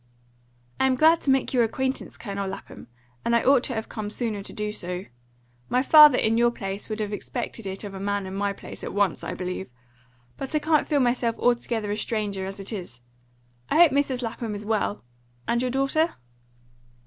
"I'm glad to make your acquaintance, Colonel Lapham, and I ought to have come sooner to do so. My father in your place would have expected it of a man in my place at once, I believe. But I can't feel myself altogether a stranger as it is. I hope Mrs. Lapham is well? And your daughter?"